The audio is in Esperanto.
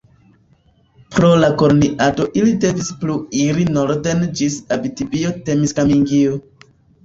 Pro la koloniado ili devis plu iri norden ĝis Abitibio-Temiskamingio.